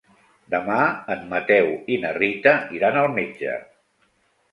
Demà en Mateu i na Rita iran al metge.